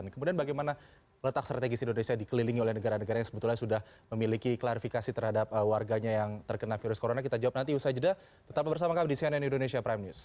kemudian bagaimana letak strategis indonesia dikelilingi oleh negara negara yang sebetulnya sudah memiliki klarifikasi terhadap warganya yang terkena virus corona